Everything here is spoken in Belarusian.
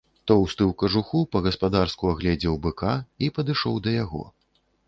Тоўсты ў кажуху па-гаспадарску агледзеў быка і падышоў да яго.